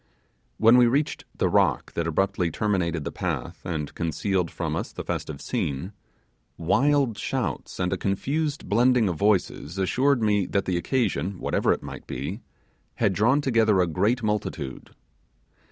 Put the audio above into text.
When we reached the rock that abruptly terminated the path, and concealed from us the festive scene, wild shouts and a confused blending of voices assured me that the occasion, whatever it might be, had drawn together a great multitude.